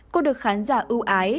cô được khán giả ưu ái